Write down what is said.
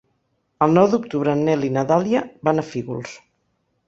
El nou d'octubre en Nel i na Dàlia van a Fígols.